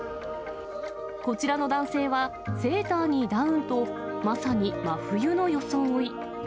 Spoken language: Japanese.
こちらの男性は、セーターにダウンと、まさに真冬の装い。